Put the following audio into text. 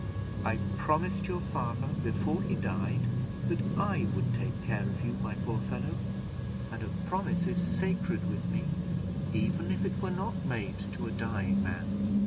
"I promised your father, before he died, that I would take care of you, my poor fellow; and a promise is sacred with me, even if it were not made to a dying man.